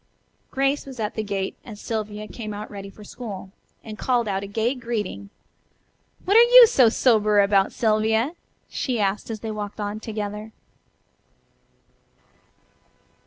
Grace was at the gate as Sylvia came out ready for school, and called out a gay greeting. "What are you so sober about, Sylvia?" she asked as they walked on together.